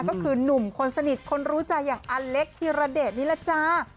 ก็คือหนุ่มคนสนิทคนรู้ใจอย่างอเล็กธิระเดชนี่แหละจ้า